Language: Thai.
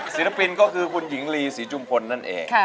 ศิลปินก็คือคุณหญิงลีศรีจุมพลนั่นเอง